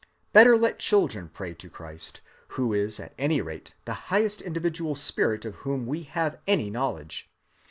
Better let children pray to Christ, who is at any rate the highest individual spirit of whom we have any knowledge.